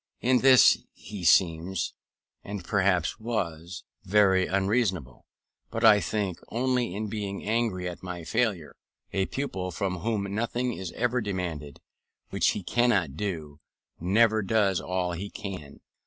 In this he seems, and perhaps was, very unreasonable; but I think, only in being angry at my failure. A pupil from whom nothing is ever demanded which he cannot do, never does all he can.